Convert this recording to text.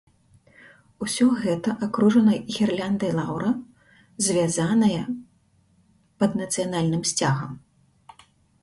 Усё гэта акружана гірляндай лаўра, звязаная пад нацыянальным сцягам.